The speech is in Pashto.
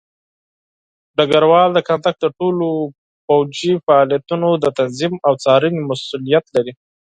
ډګروال د کندک د ټولو پوځي فعالیتونو د تنظیم او څارنې مسوولیت لري.